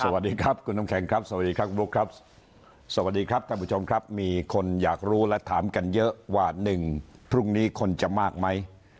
สวัสดีครับคุณน้ำแข็งครับสวัสดีครับคุณบุ๊คครับสวัสดีครับท่านผู้ชมครับมีคนอยากรู้และถามกันเยอะว่าหนึ่งพรุ่งนี้คนจะมากไหม